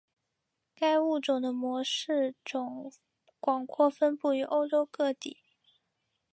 该物种的模式种广泛分布于欧洲各地。